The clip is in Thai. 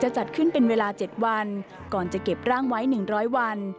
จัดขึ้นเป็นเวลา๗วันก่อนจะเก็บร่างไว้๑๐๐วัน